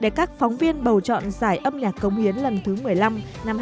để các phóng viên bầu chọn giải âm nhạc cống hiến lần thứ một mươi năm năm hai nghìn hai mươi